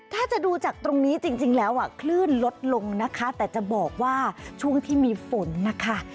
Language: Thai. ถ้าจะดูจากตรงนี้จริงแล้วคลื่นลดลงนะคะแต่จะบอกว่าช่วงที่มีฝนนะคะ